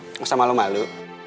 nggak usah malu malu